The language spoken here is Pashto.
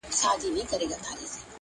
بلکې ښه نه ورته ویل کېږي